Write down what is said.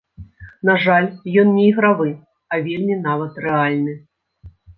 На жаль, ён не ігравы, а вельмі нават рэальны.